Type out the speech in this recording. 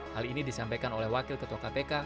hal ini disampaikan oleh wakil ketua kpk